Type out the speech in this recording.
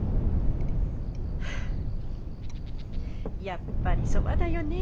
やっぱりそばだよね。